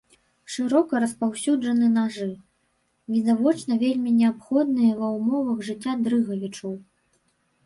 Шырока распаўсюджаны нажы, відавочна вельмі неабходныя ва ўмовах жыцця дрыгавічоў.